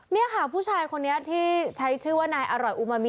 นี่ค่ะผู้ชายคนนี้ที่ใช้ชื่อว่านายอร่อยอุมามิ